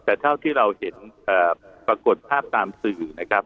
แต่เท่าที่เราเห็นปรากฏภาพตามสื่อนะครับ